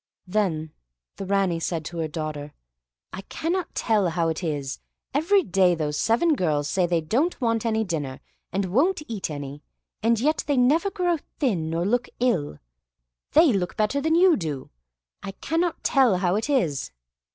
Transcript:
Then the Ranee said to her daughter, "I cannot tell how it is, every day those seven girls say they don't want any dinner, and won't eat any; and yet they never grow thin nor look ill; they look better than you do. I cannot tell how it is."